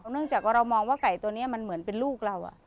เนื่องจากว่าเรามองว่าไก่ตัวนี้มันเหมือนเป็นลูกเรา